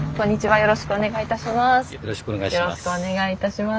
よろしくお願いします。